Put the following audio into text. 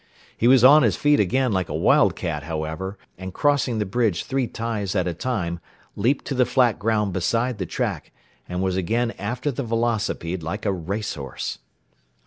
He was on his feet again like a wildcat, however, and crossing the bridge three ties at a time, leaped to the flat ground beside the track, and was again after the velocipede like a race horse.